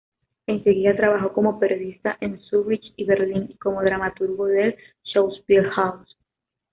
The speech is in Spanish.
Enseguida trabajó como periodista en Zúrich y Berlín y como dramaturgo del Schauspielhaus.